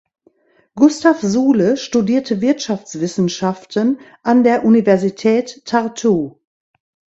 Gustav Sule studierte Wirtschaftswissenschaften an der Universität Tartu.